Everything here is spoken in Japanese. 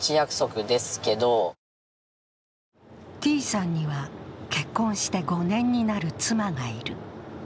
Ｔさんには結婚して５年になる妻がいる。